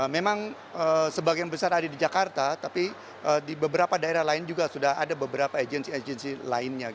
memang sebagian besar ada di jakarta tapi di beberapa daerah lain juga sudah ada beberapa agensi agensi lainnya